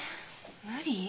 無理？